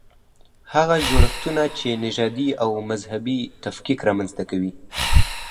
هغه جوړښتونه چې نژادي او مذهبي تفکیک رامنځته کوي.